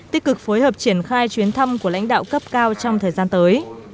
tích cực phối hợp triển khai chuyến thăm của lãnh đạo cấp cao trong thời gian tới